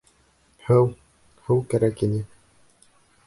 — Һыу, һыу кәрәк ине.